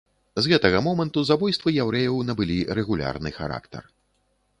З гэтага моманту забойствы яўрэяў набылі рэгулярны характар.